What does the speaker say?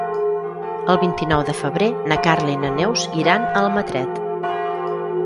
El vint-i-nou de febrer na Carla i na Neus iran a Almatret.